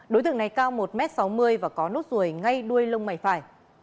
đối tượng này cao một sáu mươi m và có nốt ruồi ngay đuôi lông mày phải